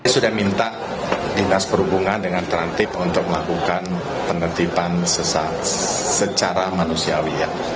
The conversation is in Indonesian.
sudah minta dinas perhubungan dengan transtip untuk melakukan penertiban secara manusiawi